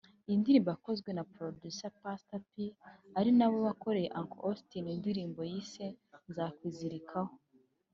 Iyi ndirimbo yakoze na Producer Pator P ari na we wakoreye Uncle Austin indirimbo yise Nzakwizirikaho